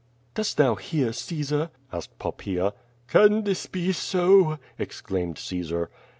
"Dost thou hear, Caesar?'' asked Poppaea. "Can this be so?" exclaimed Caesar.